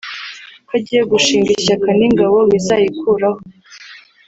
ko agiye gushinga ishyaka n’ingabo bizayikuraho